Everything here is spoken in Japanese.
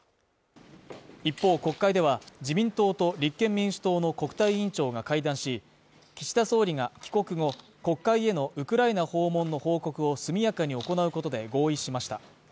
一方国会では、自民党と立憲民主党の国対委員長が会談し、岸田総理が帰国後、国会へのウクライナ訪問の報告を速やかに行うことで合意しました。